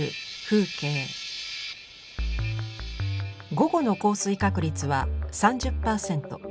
午後の降水確率は３０％。